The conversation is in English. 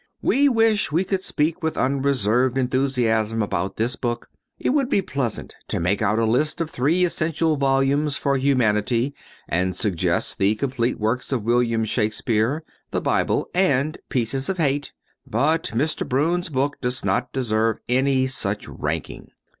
We wish we could speak with unreserved enthusiasm about this book. It would be pleasant to make out a list of three essential volumes for humanity and suggest the complete works of William Shakespeare, the Bible and "Pieces of Hate," but Mr. Broun's book does not deserve any such ranking.